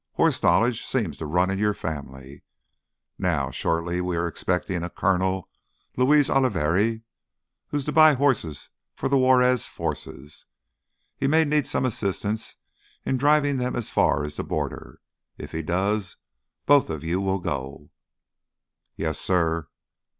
Horse knowledge seems to run in your family. Now, shortly we are expecting a Coronel Luis Oliveri who's to buy horses for the Juarez forces. He may need some assistance in driving them as far as the border. If he does, both of you'll go." "Yes, suh."